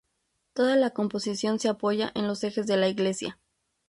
Toda la composición se apoya en los ejes de la iglesia.